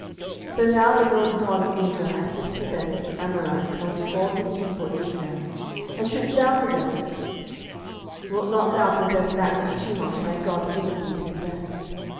07:011:023 So now the LORD God of Israel hath dispossessed the Amorites from before his people Israel, and shouldest thou possess it? 07:011:024 Wilt not thou possess that which Chemosh thy god giveth thee to possess?